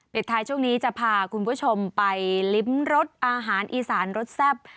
ท้ายช่วงนี้จะพาคุณผู้ชมไปลิ้มรสอาหารอีสานรสแซ่บ